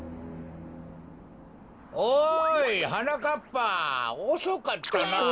おいはなかっぱおそかったなあ。